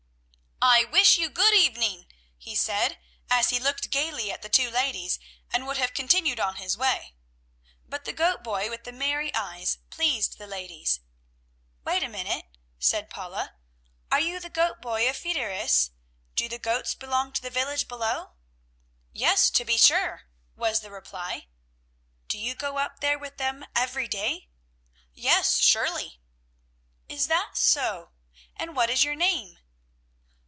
"I wish you good evening!" he said as he looked gayly at the two ladies, and would have continued on his way. But the goat boy with the merry eyes pleased the ladies. "Wait a minute," said Paula. "Are you the goat boy of Fideris? Do the goats belong to the village below?" "Yes, to be sure!" was the reply. "Do you go up there with them every day?" "Yes, surely." "Is that so? and what is your name?"